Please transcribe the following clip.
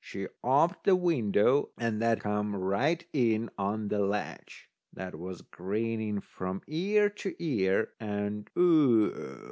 She oped the window, and that come right in on the ledge. That was grinning from ear to ear, and Oo!